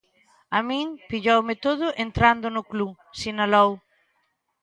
A min pilloume todo entrando no club, sinalou.